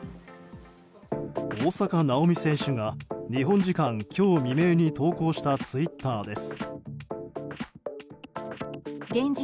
大坂なおみ選手が日本時間、今日未明に投稿したツイッターです。